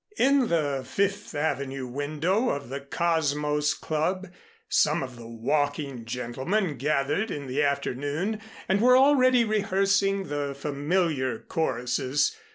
In the Fifth Avenue window of the Cosmos Club, some of the walking gentlemen gathered in the afternoon and were already rehearsing the familiar choruses.